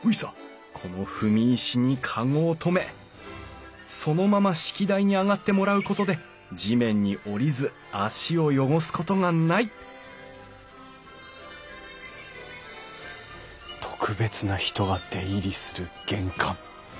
この踏み石にかごを止めそのまま式台に上がってもらうことで地面に降りず足を汚すことがない特別な人が出入りする玄関。